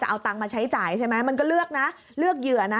เอาตังค์มาใช้จ่ายใช่ไหมมันก็เลือกนะเลือกเหยื่อนะ